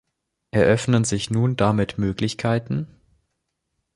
Eröffnen sich nun damit Möglichkeiten?